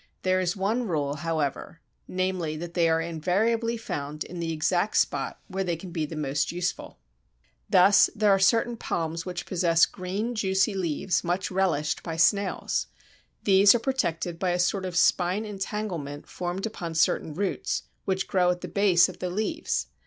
There is one rule, however, namely that they are invariably found in the exact spot where they can be most useful. Thus there are certain palms which possess green, juicy leaves, much relished by snails. These are protected by a sort of spine entanglement formed upon certain roots, which grow at the base of the leaves.